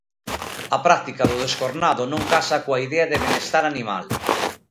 A práctica do descornado non casa coa idea de benestar animal.